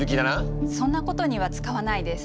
そんなことには使わないです。